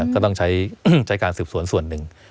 ก็ต้องใช้การสืบสวนส่วนหนึ่ง